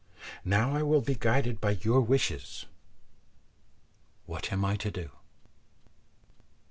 Now I will be guided by your wishes. What am I to do?"